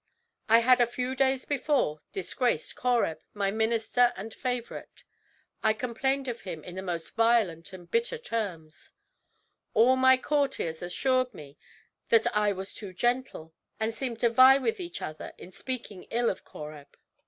I had a few days before disgraced Coreb, my minister and favorite. I complained of him in the most violent and bitter terms; all my courtiers assured me that I was too gentle and seemed to vie with each other in speaking ill of Coreb.